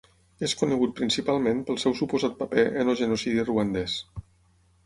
És conegut principalment pel seu suposat paper en el genocidi ruandès.